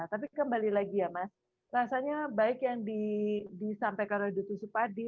tapi kembali lagi ya mas rasanya baik yang disampaikan oleh dutu supadi